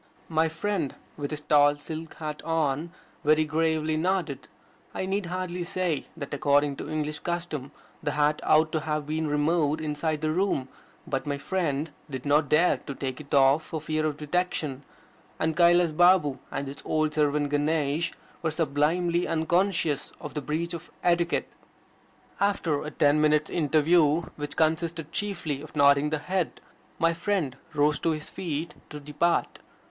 My friend, with his tall silk hat on, very gravely nodded. I need hardly say that according to English custom the hat ought to have been removed inside the room. But my friend did not dare to take it off for fear of detection; and Kailas Balm and his old servant Ganesh were sublimely unconscious of the breach of etiquette. After a ten minutes' interview, which consisted chiefly of nodding the head, my friend rose to his feet to depart.